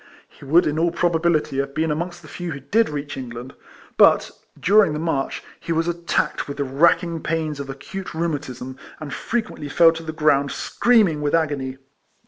He would in all probability have been amongst the few who did reach England ; but, during the march, he was attacked with the racking pains of acute rheumatism, and EIFLEIMAN HARRIS. 167 frequently fell to the ground screaming with agony.